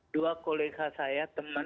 dua koleka saya teman